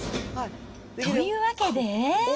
というわけで。